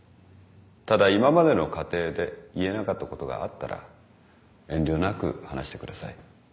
ただ今までの過程で言えなかったことがあったら遠慮なく話してください。